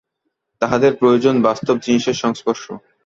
তাহাদের প্রয়োজন বাস্তব জিনিষের সংস্পর্শ।